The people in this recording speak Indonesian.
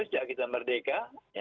sejak kita merdeka